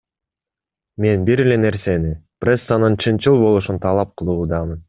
Мен бир эле нерсени, прессанын чынчыл болушун талап кылуудамын.